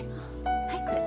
はいこれ。